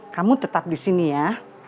kamu tetap di sini ya